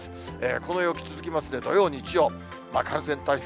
この陽気続きまして、土曜、日曜、感染対策